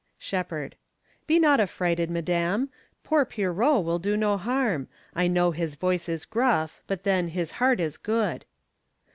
Shepherd. Be not affrighted, madame. Poor Pierrot Will do no harm. I know his voice is gruff, But then, his heart is good.